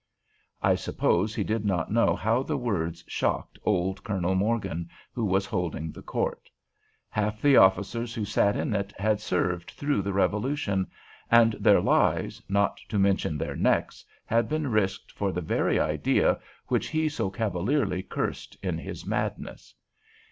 I suppose he did not know how the words shocked old Colonel Morgan, [Note 6] who was holding the court. Half the officers who sat in it had served through the Revolution, and their lives, not to say their necks, had been risked for the very idea which he so cavalierly cursed in his madness.